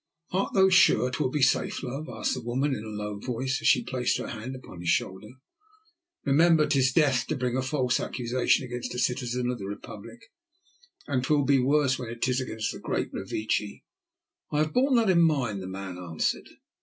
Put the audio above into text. "Art thou sure 'twill be safe, love?" asked the woman in a low voice, as she placed her hand upon his shoulder. "Remember 'tis death to bring a false accusation against a citizen of the Republic, and 'twill be worse when 'tis against the great Revecce." "I have borne that in mind," the man answered.